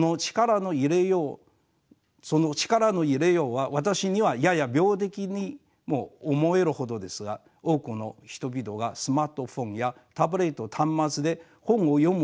その力の入れようは私にはやや病的にも思えるほどですが多くの人々がスマートフォンやタブレット端末で本を読む